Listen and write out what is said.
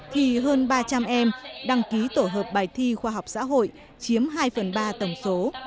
thì hơn ba trăm linh em đăng ký tổ hợp bài thi khoa học xã hội chiếm hai phần ba tổng số